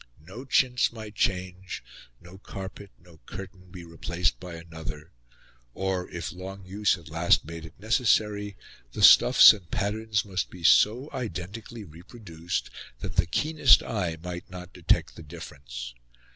No chintz might change, no carpet, no curtain, be replaced by another; or, if long use at last made it necessary, the stuffs and the patterns must be so identically reproduced that the keenest eye might not detect the difference.